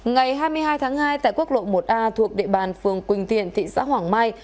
ngày hai mươi hai tháng hai tại quốc lộ một a thuộc địa bàn phường quỳnh thiện thị xã hoàng mai